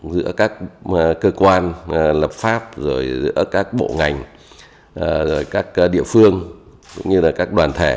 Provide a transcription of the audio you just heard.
giữa các cơ quan lập pháp giữa các bộ ngành các địa phương cũng như là các đoàn thể